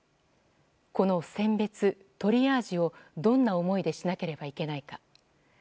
この選別、トリアージをどんな思いでしなければいけないか。